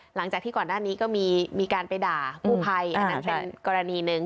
หลังจากที่ก่อนหน้านี้ก็มีการไปด่ากู้ภัยอันนั้นเป็นกรณีหนึ่ง